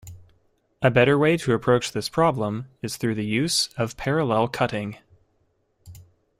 A better way to approach this problem is through the use of parallel cutting.